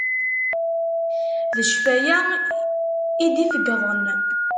D cfaya i d-ifegḍen.